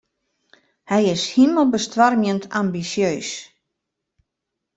Hy is himelbestoarmjend ambisjeus.